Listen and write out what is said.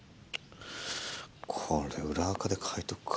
これ裏垢で書いとくか。